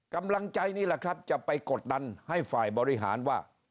กำลังใจนี่แหละครับจะไปกดดันให้ฝ่ายบริหารว่า